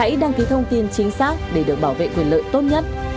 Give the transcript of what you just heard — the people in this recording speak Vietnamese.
hãy đăng ký thông tin chính xác để được bảo vệ quyền lợi tốt nhất